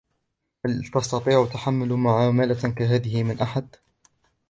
هل تستطيع تحمُّل معاملةٍ كهذه من أحد ؟